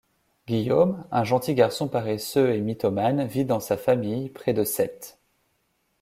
Guillaume, un gentil garçon paresseux et mythomane vit dans sa famille près de Sète.